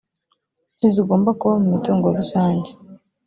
ntizigomba kuba mu mitungo rusange